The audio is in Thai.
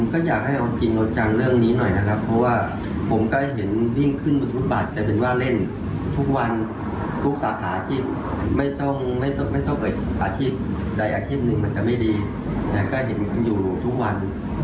แต่ก็เห็นมันอยู่ทุกวัน